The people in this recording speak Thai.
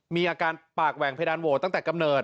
มีอาการปากแหว่งเพดานโหวตตั้งแต่กำเนิด